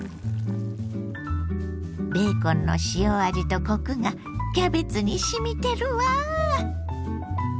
ベーコンの塩味とコクがキャベツにしみてるわ。